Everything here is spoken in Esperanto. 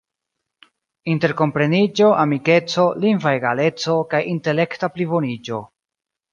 interkompreniĝo, amikeco, lingva egaleco, kaj intelekta pliboniĝo.